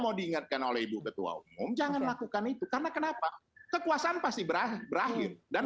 mau diingatkan oleh ibu ketua umum jangan lakukan itu karena kenapa kekuasaan pasti berakhir dan